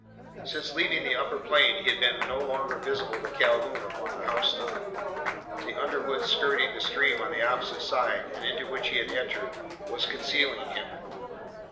Since leaving the upper plain he had been no longer visible to Calhoun upon the housetop. The underwood skirting the stream on the opposite side, and into which he had entered, was concealing him.